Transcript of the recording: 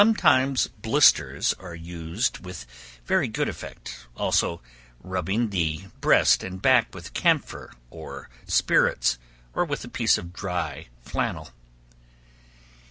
Sometimes blisters are used with very good effect; also, rubbing the breast and back with camphor or spirits, or with a piece of dry flannel.